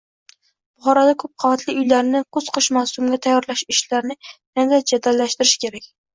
Buxoroda ko‘p qavatli uylarni kuz-qish mavsumiga tayyorlash ishlarini yanada jadallashtirish kerak